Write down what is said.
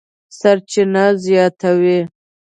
سرچینه زیاتوي،